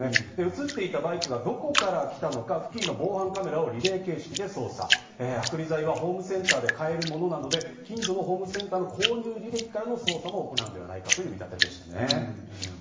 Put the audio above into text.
映っていたバイクがどこから来たのか、付近の防犯カメラをリレー形式で捜査、剥離剤はホームセンターで買えるものなどで近所のホームセンターの購入履歴から捜査を行うのではないかという見立てです。